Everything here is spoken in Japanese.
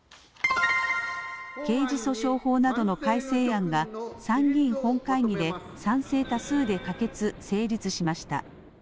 刑事訴訟法などの改正案が参議院本会議で賛成多数で可決・成立しました。